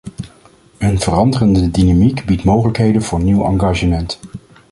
Een veranderende dynamiek biedt mogelijkheden voor nieuw engagement.